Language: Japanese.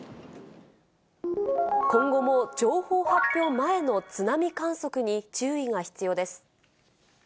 今後も情報発表前の津波観測に注意が必要です。